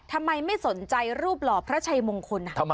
ทำไมไม่สนใจรูปหล่อพระชัยมงคล